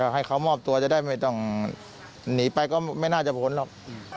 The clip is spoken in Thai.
ให้เขามอบตัวจะได้ไม่ต้องหนีไปก็ไม่น่าจะผลหรอก